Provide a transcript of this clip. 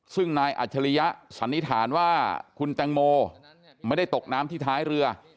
ซึ่งนายอัจฉริยะสันนิษฐานว่าคุณแตงโมไม่ได้ตกน้ำที่ท้ายเรือ